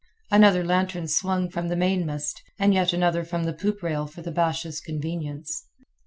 Another lantern swung from the mainmast, and yet another from the poop rail for the Basha's convenience.